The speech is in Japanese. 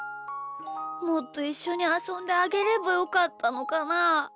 もっといっしょにあそんであげればよかったのかな？